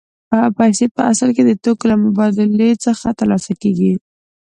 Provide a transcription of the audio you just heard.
پیسې په اصل کې د توکو له مبادلې څخه ترلاسه کېږي